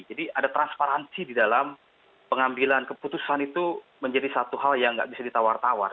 jadi ada transparansi di dalam pengambilan keputusan itu menjadi satu hal yang nggak bisa ditawar tawar